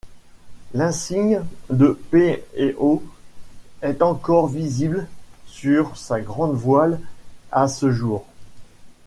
L'insigne de P & O est encore visible sur sa grand-voile à ce jour.